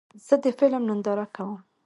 زه د فلم ننداره کوم.